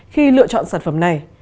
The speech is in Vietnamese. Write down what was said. khi lựa chọn sản phẩm này